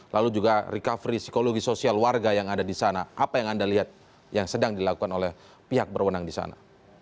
lalu juga recovery psikologi sosial warga yang ada di sana apa yang anda lihat yang sedang dilakukan oleh pihak berwenang di sana